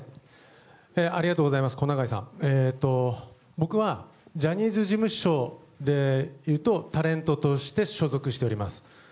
僕はジャニーズ事務所で言うとタレントとして所属しております。